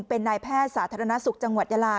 เป็นนายแพทย์สาธารณสุขจังหวัดยาลา